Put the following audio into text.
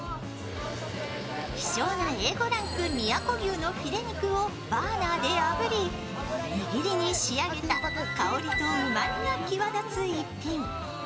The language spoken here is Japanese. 希少なＡ５ランク宮古牛のフィレ肉をバーナーであぶり、握りに仕上げた香りとうまみが際立つ１品。